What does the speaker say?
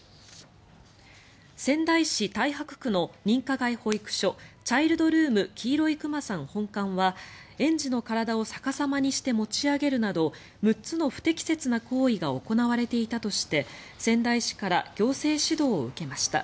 仙台市太白区の認可外保育所チャイルドルームきいろいくまさん本館は園児の体を逆さまにして持ち上げるなど６つの不適切な行為が行われていたとして仙台市から行政指導を受けました。